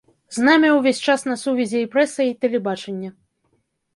З намі ўвесь час на сувязі і прэса, і тэлебачанне.